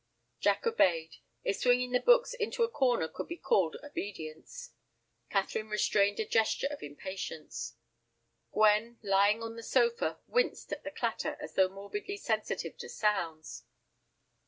Jack obeyed, if swinging the books into a corner could be called obedience. Catherine restrained a gesture of impatience. Gwen, lying on the sofa, winced at the clatter as though morbidly sensitive to sounds.